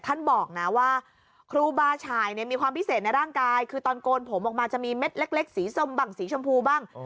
ท่านบอกนะว่าครูบาฉ่ายมีความพิเศษในร่างกายคือตอนโกนผมออกมาจะมีเม็ดเล็กสีส้มบ้างสีชมพูบ้าง